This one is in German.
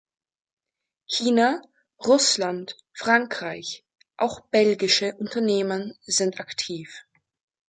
China, Russland, Frankreich, auch belgische Unternehmen sind aktiv.